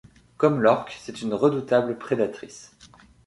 Comme l'orque, c'est une redoutable prédatrice.